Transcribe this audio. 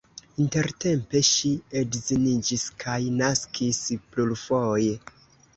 Intertempe ŝi edziniĝis kaj naskis plurfoje.